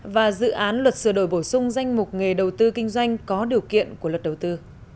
và dự án luật sửa đổi bổ sung danh mục nghề đầu tư kinh doanh có điều kiện của luật đầu tư